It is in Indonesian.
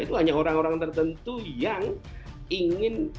itu hanya orang orang tertentu yang ingin